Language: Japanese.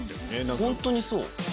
本当にそう。